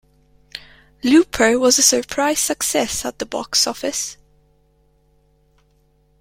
"Looper" was a surprise success at the box office.